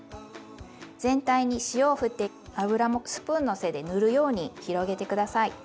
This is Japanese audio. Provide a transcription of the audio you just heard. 全体に塩をふって油もスプーンの背で塗るように広げて下さい。